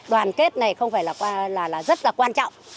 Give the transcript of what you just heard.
đoàn kết này không phải là rất là quan trọng